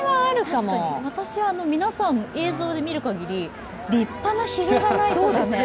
私は皆さん、映像で見る限り、立派なひげがないと駄目。